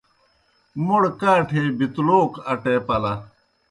موْڑ کاٹھے بِتلوک اٹے پلہ۔